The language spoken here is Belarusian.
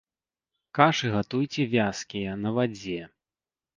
Кашы гатуйце вязкія, на вадзе.